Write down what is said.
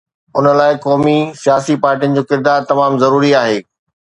ان لاءِ قومي سياسي پارٽين جو ڪردار تمام ضروري آهي.